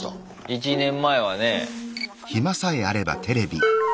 １年前はね。